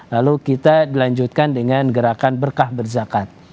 lalu kita dilanjutkan dengan gerakan berkah berzakat